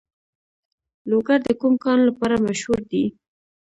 لوګر د کوم کان لپاره مشهور دی؟